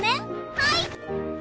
はい！